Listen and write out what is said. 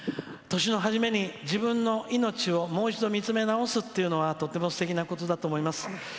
年の初めに自分の命をもう一度見つめ直すっていうのはとってもすてきなことだと思います。